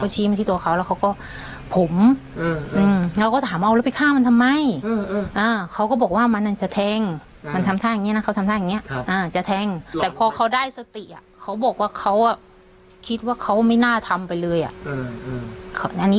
ใช่แล้วเขาก็เหมือนเขาก็บอกใครไม่ได้